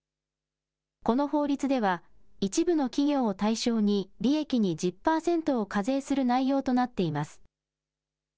この法律では、一部の企業を対象に利益に１０％を課税する内容となっています。